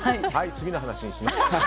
次の話にしましょう。